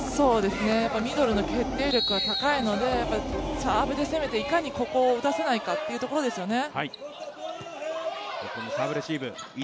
ミドルの決定力が高いのでサーブで攻めて、いかにここを打たせないかというところですよね。